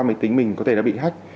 máy tính mình có thể đã bị hách